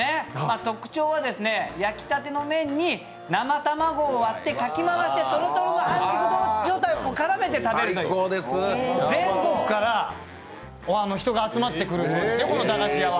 特徴は焼きたての麺に生卵をかき回してとろとろの半熟状態を絡めて食べるという、全国から人が集まってくるんです、この駄菓子屋は。